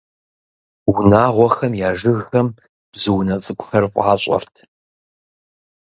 Унагъуэхэм я жыгхэм бзу унэ цӀыкӀухэр фӀащӀэрт.